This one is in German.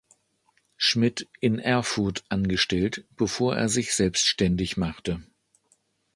Schmidt in Erfurt angestellt, bevor er sich selbständig machte.